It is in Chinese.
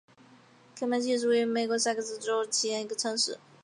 科曼奇是位于美国得克萨斯州科曼奇县的一个城市。